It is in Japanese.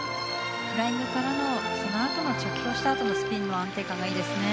フライングからのそのあとの着氷したあとのスピンの安定感がいいですね。